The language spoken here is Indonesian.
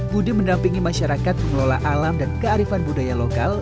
buddhi mendampingi masyarakat mengelola alam dan kearifan budaya lokal